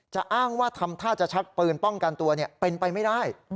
อ้างว่าทำท่าจะชักปืนป้องกันตัวเป็นไปไม่ได้